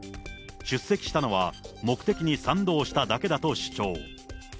出席したのは、目的に賛同しただけだと主張。